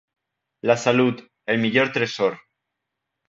La salut, el millor tresor.